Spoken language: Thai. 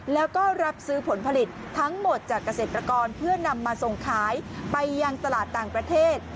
แล้วก็รับซื้อผลผลิตทั้งหมดจากเกษตรกรเพื่อนำมาส่งขายไปยังตลาดต่างประเทศ